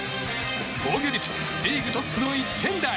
防御率リーグトップの１点台。